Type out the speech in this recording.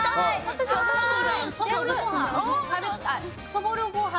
そぼろご飯？